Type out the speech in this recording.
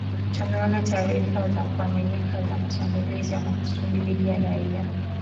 Tumeona taarifa za kuaminika za mashambulizi ya makusudi dhidi ya raia